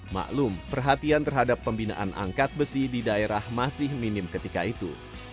maklum perhatian terhadap pembinaan angkat besi di daerah masih minim ketika itu